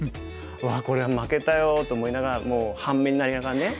「うわこれ負けたよ」と思いながらもう半目になりながらね。